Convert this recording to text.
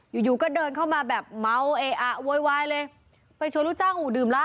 อยู่อยู่ก็เดินเข้ามาแบบเมาเออะโวยวายเลยไปชวนลูกจ้างอู่ดื่มละ